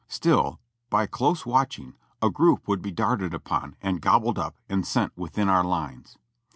Still, by close watching a group would be darted upon and gob bled up and sent within our lines.